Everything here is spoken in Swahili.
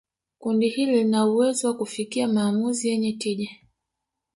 kundi hili lina uwezo wa kufikia maamuzi yenye tija